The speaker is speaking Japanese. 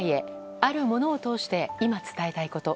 あるものを通して今、伝えたいこと。